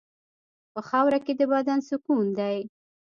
په خاوره کې د بدن سکون دی.